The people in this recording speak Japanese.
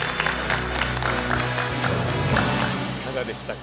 いかがでしたか？